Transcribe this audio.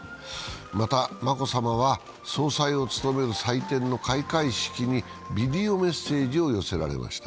また、眞子さまは総裁を務める祭典の開会式にビデオメッセージを寄せられました。